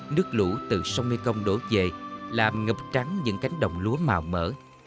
nước lũ từ sông mekong đổ về làm ngập trắng những cánh đồng lúa màu mỡ